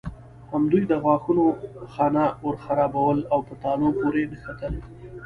همدوی د غاښونو خانه ورخرابول او په تالو پورې نښتل.